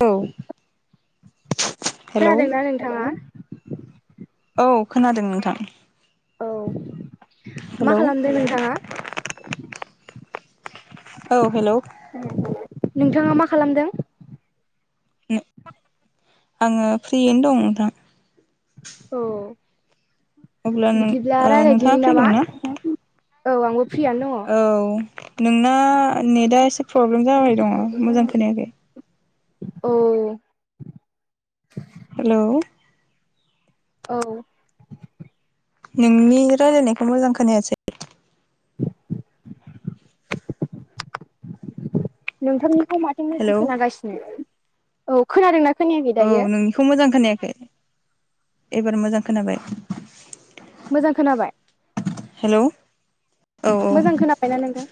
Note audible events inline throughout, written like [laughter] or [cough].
औ हेलौ खोनादों ना नोंथांङा औ खोनादों नोंथां। औ मा हेलौ खालामदों नोंथांङा? औ हेलौ नोंथांङा मा खालामदों आंङो फ्रियैनो दं नोंथां। औ अब्ला नों बिदिब्ला ओ नोंथाङा रायलायदिनि फ्रि नामा? दंना औ आंबो फ्रियानो दङ' औ नोंङो नेटआ एसे प्रब्लेम जाबाय दङ मोजां खोनायाखै [unintelligible] उ हेल' औ नोंनि रायलायनायखौ मोजां खोनायासै नोंथांनिखौ माथो मोजां हेलौ औ खोनागासिनो औ खोनादोंना खोनायाखै दायो। बेखौ मोजां खोनायाखै एबार मोजां खोनाबाय मोजां खोनाबाय हेल' औ औ मोजां खोनाबायना नोंथां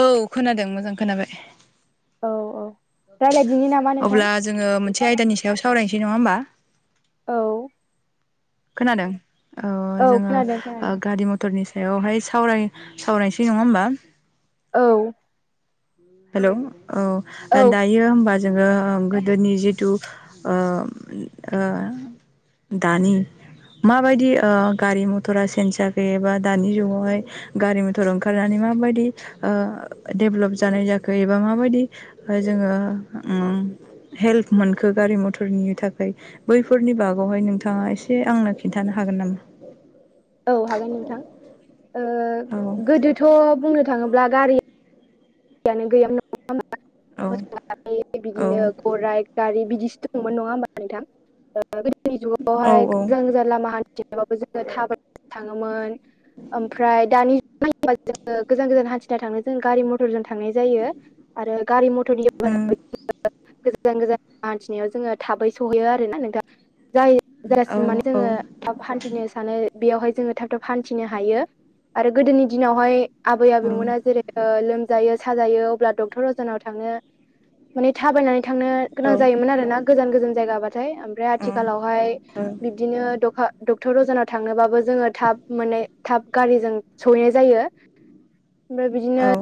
औ खोनादों मोजां खोनाबाय औ औ रायज्लायदिनि नामा नोंथां अब्ला जोंङो मोनसे आयदानि सायाव सावरायनोसै नंङा होमबा औ खोनादों अ औ जोंङो खोनादों खोनादों गारि म थरनि सायावहाय सावराय सावरायसै नंङा होमबा औ हेलौ औ औ दा हायो होमबा जोंङो गोदोनि जिथु ओ ओ दानि माबायदि ओ-गारि मथरा सेन्ज जबाय दानि जुगावहाय। गारि मथर ओंखारनानै माबायदि ओ-दभलप जानाय जाखो। खो एबा माबायदि जोङो। हेल्प मोनखो गारि मथरनि थाखाय। बैफोरनि बागावहाय नोंथाङा एसे आंनो खिन्थानो हागोन नामा। औ हागोन नोंथां औ ओ-गोदोथ बुंनो थाङोब्ला गारि यानो गैयामोन औ मोसा औ बिदिनो गराय गारि बिदिसो दंमोन नङा होमबा नोंथां? गोदोनि औ जुगावहाय गोजान गोजान लामा हान्थिनायबाबो जोङो थाबाय थाङोमोन। ओमफ्राय दानि जुगबा जोङो गोजान गोजान हान्थिना थांनो जों गारि मथ मटरजों थांनाय जायो आरो गारि मथरनि उम हेफाजाबजों गोजान गोजान हान्थिनायाव जोङो थाबै सहैयो आर ना नोंथाङ जाय औ जासिन मान औ जोङो थाब हान्थिनो सानो बेयावहाय जोङो थाब थाब हान्थिनो हायो आरो गोदोनि दिनावहाय। आबै ओ आबौमोना जेरै लोमजायो साजायो अब्ला डक्टर अजनाव थांङो। माने थाबायनानै थांनो गोनां ओ जायोमोन आरो ना गोजान गोजान जायगाबाथाय। फ्राय औ आथिखालावहाय। बिदिनो डका डक्टर अजानाव थांनोबाबो जोङो थाब मोन थाब गारिजों। सहैनाय जायो ओमफ्राय बिदिनो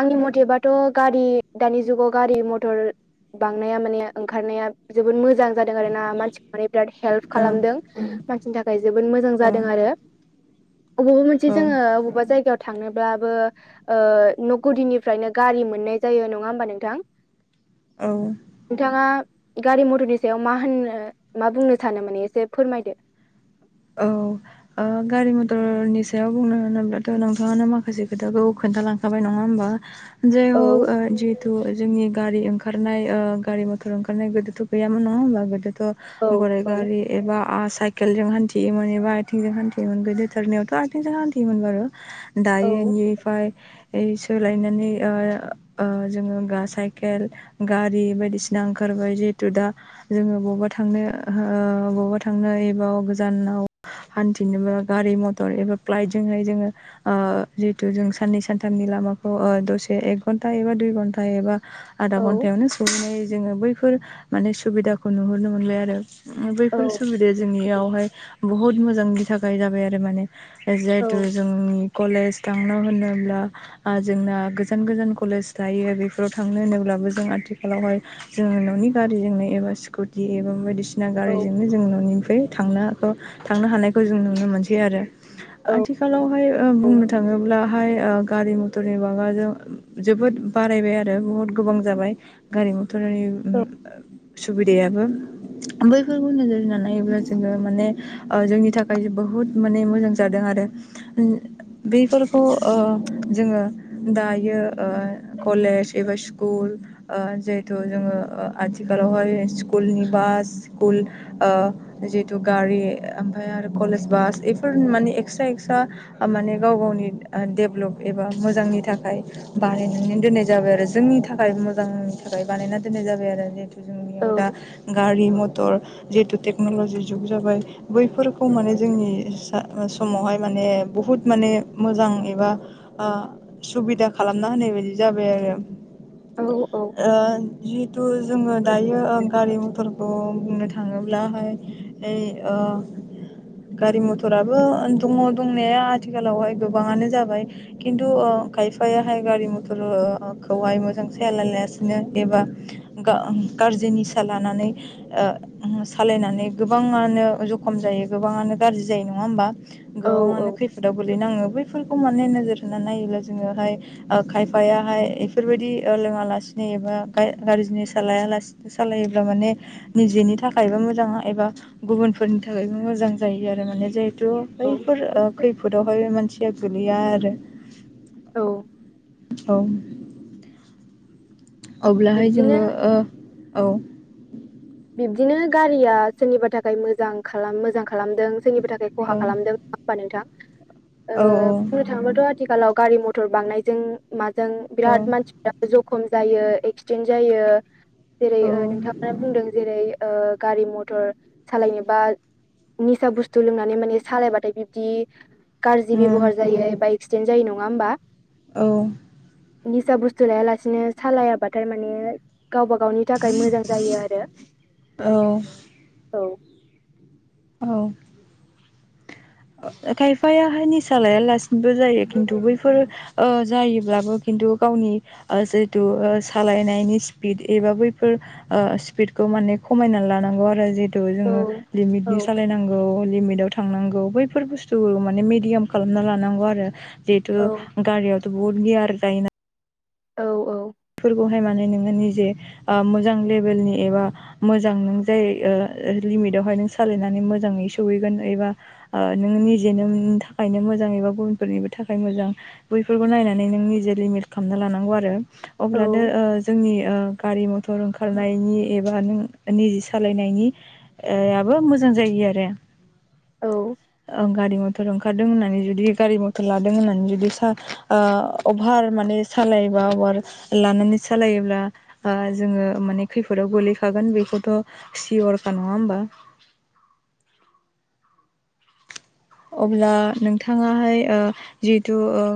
आंनि मथेबाथ। गारि दानि जुगाव गारि मथर बांनाया माने ओंखारनाया। जोबोद मोजां जादों आर ना मानसिखौ माने बिराद हेल्प खालामदों। मानसिनि थाखाय जोबोद मोजां जादों औ आरो अबावबा मोनसे जोङो अबावबा जायगायाव थांनोबाबो ओ-न गुदिनिफ्रायनो गारि मोन मोननाय जायो नङा होमबा नोंथां। ओं नोंथाङा गारि मथरनि सायाव मा होननो मा बुंनो सानो माने एसे फोरमायदो। औ ओ गारि मथरनि सायाव बुंनो होनोब्लाथ नोंथाङा माखासे खोथाखौ खोनथालां बाय नङा होमबा जे औ हक जितु जोंनि गारि ओंखा रनाय ओ गारि मथर ओंखारनाय गोदोथ' गैयामोन नङा होमबा गोदोथ औ गराइ औ गारि। एबा साइकेल जों हानथि खथि मोन एबा आथिंजों खान्थियोमोन गोदो धोरनायावथ आरथिंजों हान्थिमोन आरो। औ दायोनिफ्राय। सोलायनानै ओय ओ-जोङो साइकेल गारि बायदिसिना ओंखारबाय जिहेतु दा। जोङो बबेबा थांनो ओ-बबेबा थांनो एबाव गोजानाव हान्थिनोबो गारि मथर एबा फ्लाइटजोंहाय जोङो। ओ जिहेतु जों साननै सानथामनि लामाखौ दसे एक घन्टा एबा दुइ घन्टा टा एबा आडा औ घन्टायावनो। नाय जोङो बैफोर माने सुबिदाखौ नुहुरनो मोनबाय आरो। औ बैफोर सुबिदाया जोंनियावहाय बहुत मोजांनि थाखाय जाबाय आरो माने। जिहेतु औ जोंनि कलेज थांनो होनोब्ला। ओ-जोंना गोजान गोजान कलेज थायो बेफोराव थांनो होनोब्लाबो जों आथिखालावहाय। जोङो ननि गारिजोंनो एबा स्कुटि एबा बायदिसि ना औ गारिजोंनो जों ननिफ्राय थांनो थांनो हानायखौ जों नुनो मोनसै आरो। औ आथिखालावहाय बुंनो थाङोब्लाहाय गारि मथ बेटरनि बागाजों जोबोद बारायबाय आरो बुहुत गोबां जाबाय। गारि मथरनि सुबिदायाबो बैफोरखौ नोजोर होनानै। नाय जोङो माने जोंनि थाखाय बुहुद माने मोजां जादों आरो। बैफोरखौ ओ जोङो दायो ओ कलेज एबा स्कुल ओ जिहेथु जोङो ओ आथिखालावहाय स्कुलनि बास स्कुल ओ जिहेतु गारि ओमफ्राय आरो कलेज बास एफोर माने एक्सट्रा एक्सट्रा ओ माने गाव गावनि ओ डेभलप एबा मोजांनि थाखाय बानायनानै दोननाय जाबाय आरो जोंनि थाखाय मोजांनि थाखाय बानायना दोननाय जाबाय आरो जितु जोंनियाव दा गारि मथर जिहेथु टेक्न'लजि जुग जाबाय बैफोरखौ माने जोंनि सा समावहाय माने बहुद माने मोजां एबा ओ सुबिदा खालामना होनाय बायदि जाबाय आरो। औ औ ओ जिहेथु जोङो दायो ओ गारि मथरखौ बुंनो थाङोब्लाहाय नै ओ गारि मथराबो दङ दंनाया आथिखालावहाय गोबाङानो जाबाय खिन्थु ओ खायफायाहाय गारि मथर खौहाय मोजां सालाया लायासिनो एबा गा-गाज्रि निसा लानानै ओ सालायनानै गोबाङानो जुब खम जायो गोबांआनो गाज्रि जायो नङा होमबा गोबांआनो फि फोदाव गोलैनाङो बैफोरखौ माने नोजोर होनानै नायोब्ला जोङोहाय ओ खायफायाहाय एफोरबायदि ओ लोङा लासिनो एबा गा-गाज्रि निसा लाया लासेनो सालायोब्ला माने निजेनि थाखायबो मोजां एबा गुबुन फोरनि थाखायबो मोजां जायो आरो माने जिहेथु बैफोर ओ खैफोदावहाय मानसिया गोलैया आरो। औ औ अब्लाहाय बिब्दिनो जोङो ओ औ बिबदिनो गारिया सोरनिबा थाखाय मोजां खालाम मोजां खालामदों सोरनिबा थाखाय खहा खालामदों। [unintelligible] नोंथां औ औ थांबाथ' आथिखालाव गारि मथर बांनायजों माजों औ बिराद मानसिफोरा जौ खम जायो एक्सिडेन्ट जायो जेरै- औ ओ नोंथांआ बुंदों जेरै- ओ गारि मथर सालायनोबा निसा बुस्थु लोंनानै माने सालायबाथाय बिब्दि गाज्रि बेब'हार जायो एबा एक्सिडेन्ट जायो नङा होमबा औ निसा बुस्थु लायालासेनो सालायाबाथाय माने गावबा गावनि थाखाय मोजां जायो आरो औ औ औ खायफायाहाय निसा लायालासिनोबो जायो खिन्थु बैफोर ओ जायोब्लाबो खिन्थु गावनि ओ जिहेतु सालायनायनि स्पिड एबा बैफोर ओ स्पिदखौ माने खमायना लानांगौ आरो जि थु औ जोङो औ लिमिटनि सालायनांगौ लिमिटाव थांनांगौ बै फोर बुस्थु माने मेदियाम खालामना लानांगौ आरो औ जिहेतु गारियाव बुहुद गियार जायोना औ औ फोरखौहाय माने नोङो निजे ओ मोजां लेबेलनि एबा मोजां नों जायो ओ लिमिटावहाय नों सालायनानै मोजाङै सौहैगोन एबा ओ नों निजेनो नोंनि थाखायनो मोजां एबा गुबुनफोरनिबो थाखाय मोजां। बैफोरखौ नायनानै नों निजे लिमिट खालामना लानांगौ आरो अब्लानो ओ औ जोंनि ओ गारि मथर ओंखारनायनि एबा नों निजि सालायनायनि ए आबो मोजां जायो आरो। औ गारि मथर ओंखारदों होननानै जुदि गारि मथर लादों होननानै जुदि सा ओ अभार माने सालायोबा अभार लानानै सालायोब्ला ओ जोङो माने खैफोदाव गोलैखागोन बेखौथ' सियरखा नङा होमबा अब्ला नोंथाङाहाय जिहेथु